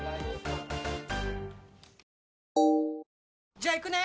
じゃあ行くね！